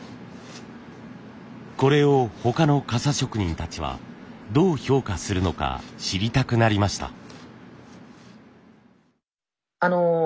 これを他の傘職人たちはどう評価するのか知りたくなりました。